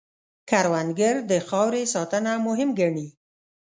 کروندګر د خاورې ساتنه مهم ګڼي